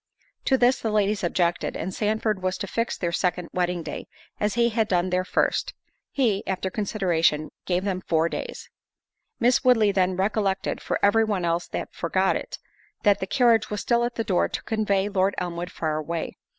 To this the ladies objected, and Sandford was to fix their second wedding day, as he had done their first. He, after consideration, gave them four days. Miss Woodley then recollected (for every one else had forgot it) that the carriage was still at the door to convey Lord Elmwood far away.